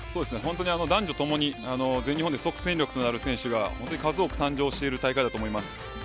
本当に男女ともに全日本で即戦力となる選手が数多く誕生している大会だと思います。